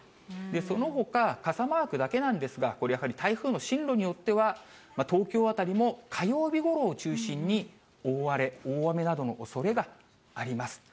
そのほか、傘マークだけなんですが、これやはり台風の進路によっては、東京あたりも火曜日ごろを中心に、大荒れ、大雨などのおそれがあります。